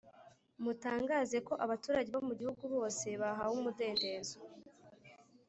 mutangaze ko abaturage bo mu gihugu bose bahawe umudendezo